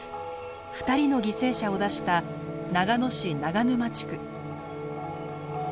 ２人の犠牲者を出した長野市長沼地区。